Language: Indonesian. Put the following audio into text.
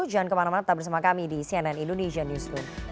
jangan kemana mana tetap bersama kami di cnn indonesia newsroom